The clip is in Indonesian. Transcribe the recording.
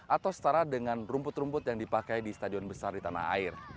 atau setara dengan rumput rumput yang dipakai di stadion besar di tanah air